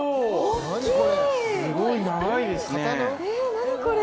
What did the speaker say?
何これ！